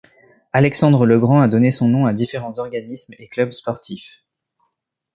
Alexandre le Grand a donné son nom à différents organismes et club sportifs.